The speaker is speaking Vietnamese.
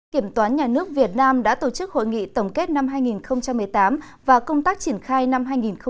kiểm toán nhà nước việt nam đã tổ chức hội nghị tổng kết năm hai nghìn một mươi tám và công tác triển khai năm hai nghìn một mươi chín